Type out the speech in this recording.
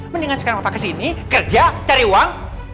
mendingan sekarang bapak kesini kerja cari uang